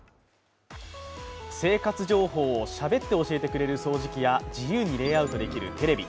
生活情報をしゃべって教えてくれる掃除機や自由にレイアウトできるテレビ。